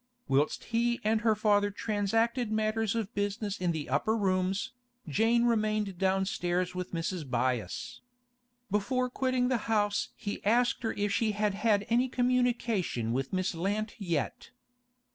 Whilst he and her father transacted matters of business in the upper rooms, Jane remained downstairs with Mrs. Byass. Before quitting the house he asked her if she had had any communication with Miss Lant yet.